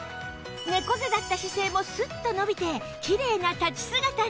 猫背だった姿勢もスッと伸びてきれいな立ち姿に